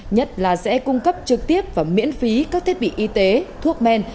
nhất là sẽ cung cấp trực tiếp và miễn phí các thiết bị y tế thuốc men